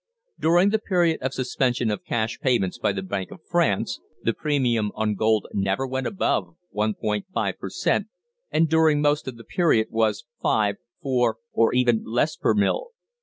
During the period of suspension of cash payments by the Bank of France, the premium on gold never went above 1·5 per cent., and during most of the period was 5, 4, or even less per mille.